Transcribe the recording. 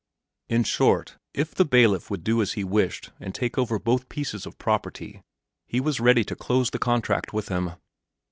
In short, if the bailiff would do as he wished and take over both pieces of property, he was ready to close the contract with him.